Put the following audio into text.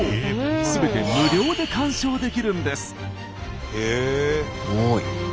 すべて無料で鑑賞できるんです。